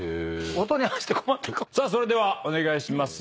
それではお願いします。